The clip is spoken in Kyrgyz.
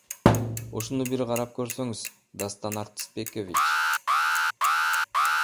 Ушуну бир карап көрсөңүз Дастан Артисбекович.